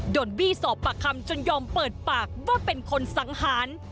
โดนบี้สอบปากคำจนยอมเปิดปากว่าเป็นคนสังหาร